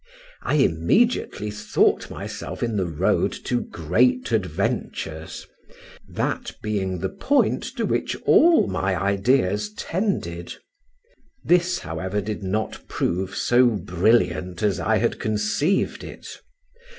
I immediately thought myself in the road to great adventures; that being the point to which all my ideas tended: this, however, did not prove so brilliant as I had conceived it.